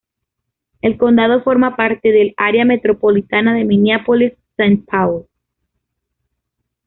El condado forma parte del área metropolitana de Minneapolis–Saint Paul.